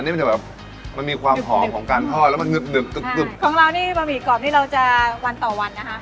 นี่มันจะแบบมันมีความหอมของการทอดแล้วมันหึบกึบของเรานี่บะหมี่กรอบที่เราจะวันต่อวันนะคะ